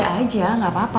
ya boleh aja nggak apa apa